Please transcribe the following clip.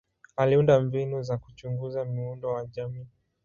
Aliunda mbinu za kuchunguza muundo wa jamii.